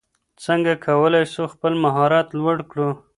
څنګه کولای سو خپل مهارت لوړ کړو؟